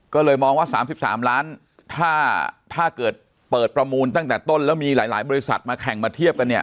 ก็เลยมองว่า๓๓ล้านถ้าเกิดเปิดประมูลตั้งแต่ต้นแล้วมีหลายบริษัทมาแข่งมาเทียบกันเนี่ย